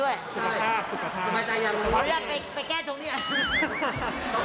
วอกชง๑๐๐